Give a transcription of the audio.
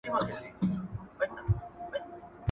• له تندو اوبو مه بېرېږه، له مړامو اوبو وبېرېږه.